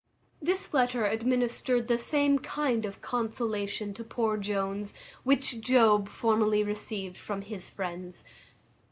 This letter administered the same kind of consolation to poor Jones, which Job formerly received from his friends.